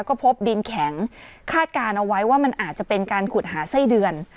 ก็พบดินแข็งคาดการณ์เอาไว้ว่ามันอาจจะเป็นการขุดหาไส้เดือน